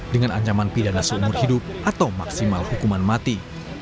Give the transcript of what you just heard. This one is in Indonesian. dengan ancaman pidana seumur hidup atau maksimal hukuman mati